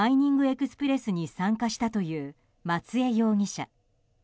エクスプレスに参加したという松江容疑者。